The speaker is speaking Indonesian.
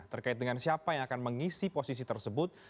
terkait dengan siapa yang akan mengisi posisi tersebut